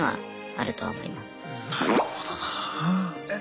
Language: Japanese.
なるほどな。え？